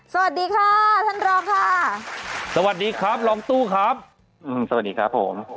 สวัสดีค่ะท่านรองค่ะสวัสดีครับรองตู้ครับสวัสดีครับผม